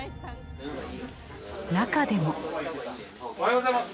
中でも・おはようございます。